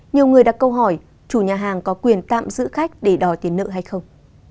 nhiều người đặt câu hỏi chủ nhà hàng có quyền tạm giữ khách để đòi tiền nợ hay không